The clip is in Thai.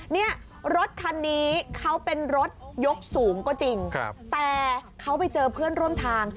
เนี่ยรถคันนี้เขาเป็นรถยกสูงก็จริงแต่เขาไปเจอเพื่อนร่วมทาง